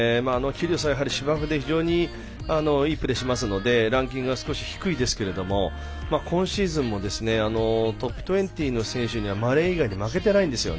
キリオスは芝生で非常にいいプレーしますのでランキングは少し低いですけども今シーズンも、トップ２０でマレー以外に負けてないんです。